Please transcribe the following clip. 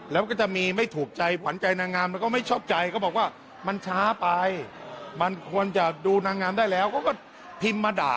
แล้วก็จะมีไม่ถูกใจหวันใจนางงาม